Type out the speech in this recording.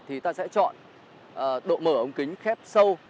thì ta sẽ chọn độ mở ống kính khép sâu